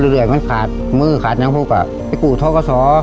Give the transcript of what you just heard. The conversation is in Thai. ร่วนเรื่อยมันขาดมือขาดน้ำพวก